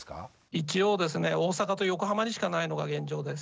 一応ですね大阪と横浜にしかないのが現状です。